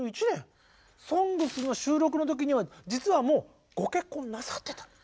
「ＳＯＮＧＳ」の収録の時には実はもうご結婚なさってた。